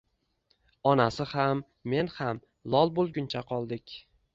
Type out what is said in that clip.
Onasi ham, men ham lol bo`lguncha qoldik